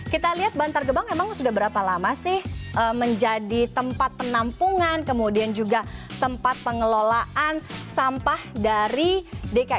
kita lihat bantar gebang memang sudah berapa lama sih menjadi tempat penampungan kemudian juga tempat pengelolaan sampah dari dki jakarta